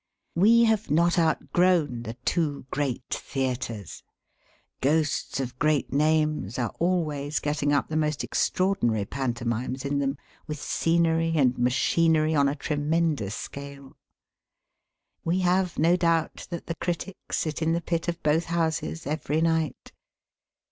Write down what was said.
We have not outgrown the two great Theatres. Ghosts of great names are always getting up the most extraordinary panto mimes in them, with scenery and machinery on a tremendous scale. We have no doubt that the critics sit in the pit of both houses, every night.